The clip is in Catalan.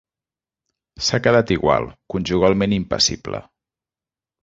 S'ha quedat igual, conjugalment impassible.